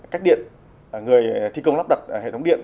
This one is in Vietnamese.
cách điện người thi công lắp đặt hệ thống điện